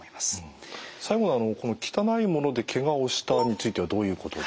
最後の「汚いものでけがをした」についてはどういうことですか？